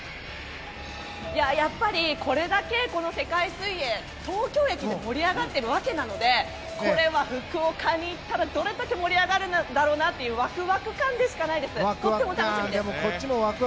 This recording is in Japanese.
やっぱりこれだけ世界水泳東京駅で盛り上がっているわけなのでこれは福岡に行ったらどれだけ盛り上がるだろうなっていうワクワク感でしかないです。